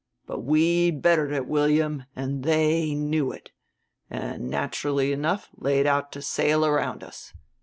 But we bettered it, William, and they knew it; and, naturally enough, laid out to sail around us.